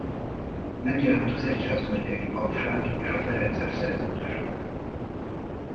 Megjelent az egyházmegyei papság és a ferences szerzetesek.